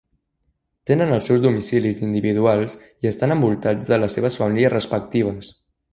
Tenen els seus domicilis individuals i estan envoltats de les seves famílies respectives.